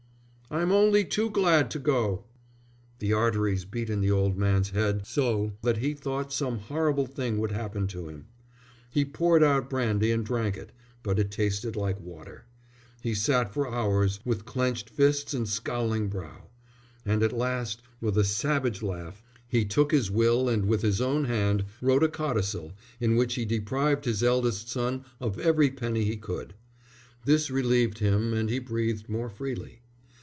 "I'm only too glad to go." The arteries beat in the old man's head so that he thought some horrible thing would happen to him. He poured out brandy and drank it, but it tasted like water. He sat for hours with clenched fists and scowling brow; and at last with a savage laugh he took his will and with his own hand wrote a codicil in which he deprived his eldest son of every penny he could. This relieved him and he breathed more freely.